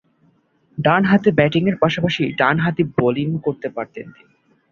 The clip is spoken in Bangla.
ডানহাতে ব্যাটিংয়ের পাশাপাশি ডানহাতে বোলিং করতেন তিনি।